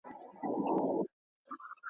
د عذاب علت یې کش کړ په مشوکي.